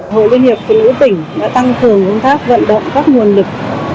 hội liên hiệp phụ nữ tỉnh đã tăng cường công tác vận động các nguồn lực